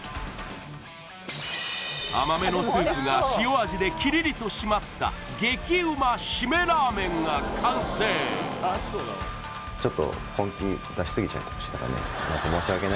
甘めのスープが塩味でキリリと締まった激ウマシメラーメンが完成うんっ